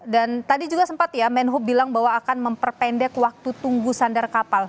dan tadi juga sempat ya menhub bilang bahwa akan memperpendek waktu tunggu sandar kapal